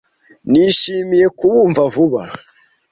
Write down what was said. Nishimiye kubumva vuba.